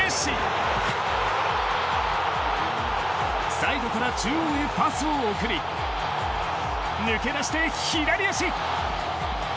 サイドから中央へパスを送り抜け出して左足。